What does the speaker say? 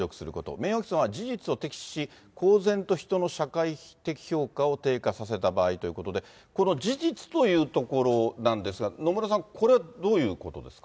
名誉毀損は事実を摘示し、公然と人の社会的評価を低下させた場合ということで、この事実というところなんですが、野村さん、これ、どういうことですか？